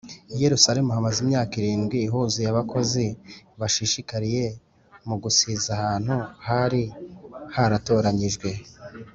i yerusalemu hamaze imyaka irindwi huzuye abakozi bashishikariye mu gusiza ahantu hari haratoranyijwe,